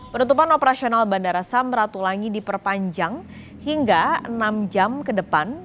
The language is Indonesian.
penutupan operasional bandara samratulangi diperpanjang hingga enam jam ke depan